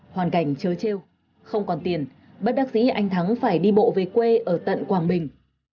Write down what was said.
hoàn cảnh chớ treo không còn tiền bất đắc dĩ anh thắng phải đi bộ về quê ở tận quảng bình